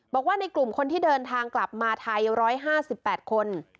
บอกว่าในกลุ่มคนที่เดินทางกลับมาไทย๑๕๘คน